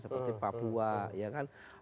seperti papua ya kan